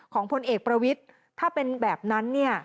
ของพลเอกประวิทธิ์ถ้าเป็นแบบนั้น